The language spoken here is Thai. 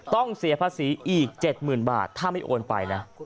ต้องเสียภาษีอีก๗๐๐๐บาทถ้าไม่โอนไปนะ